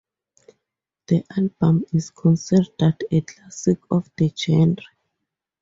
The album is considered a classic of the genre.